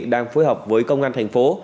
đang phối hợp với công an thành phố